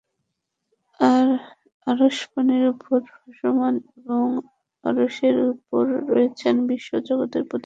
আর আরশ পানির উপর ভাসমান এবং আরশের উপর রয়েছেন বিশ্বজগতের প্রতিপালক।